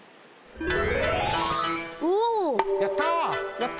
やった！